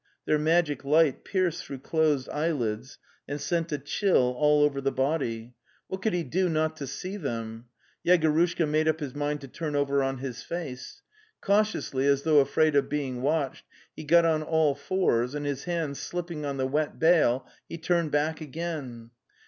Their magic light pierced through closed eyelids and sent a chill all over the body. What could he do not to see them? Yegorushka made up his mind to turn over on his face. Cautiously, as though afraid of being watched, he got on all fours, and his hands slipping on the wet bale, he turned back again.